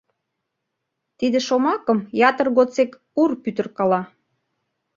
Тиде шомакым ятыр годсек Ур пӱтыркала.